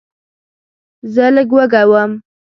زه لږ وږی وم.